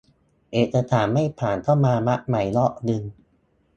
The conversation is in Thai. เอกสารไม่ผ่านต้องมารับใหม่รอบนึง